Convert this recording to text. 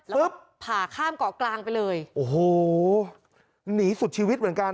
ผ่าข้ามเกาะกลางไปเลยโอ้โหหนีสุดชีวิตเหมือนกัน